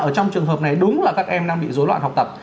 ở trong trường hợp này đúng là các em đang bị dối loạn học tập